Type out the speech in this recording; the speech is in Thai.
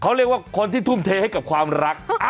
เขาเรียกว่าคนที่ทุ่มเทให้กับความรัก